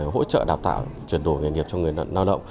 hỗ trợ đào tạo chuyển đổi nghề nghiệp cho người lao động